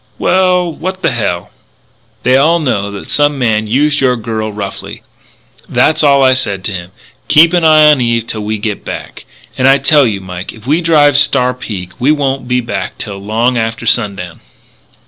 "Well, what the hell " "They all know that some man used your girl roughly. That's all I said to him 'keep an eye on Eve until we can get back.' And I tell you, Mike, if we drive Star Peak we won't be back till long after sundown."